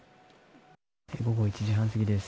午後１時半過ぎです。